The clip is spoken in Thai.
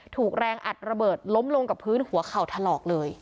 ถูกแรงอัดระเบิดล้มลงกับพื้นหัวเข่าถลอกเลย